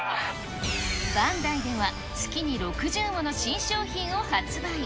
バンダイでは、月に６０もの新商品を発売。